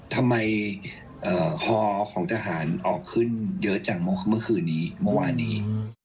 ทำไมฮอของทหารออกขึ้นเยอะจังเมื่อคืนนี้เมื่อวานนี้